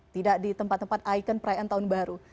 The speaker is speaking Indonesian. tidak di tempat tempat ikon perayaan tahun baru